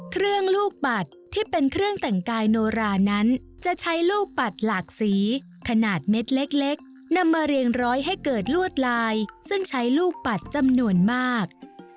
ลูกปัดที่เป็นเครื่องแต่งกายโนรานั้นจะใช้ลูกปัดหลากสีขนาดเม็ดเล็กนำมาเรียงร้อยให้เกิดลวดลายซึ่งใช้ลูกปัดจำนวนมาก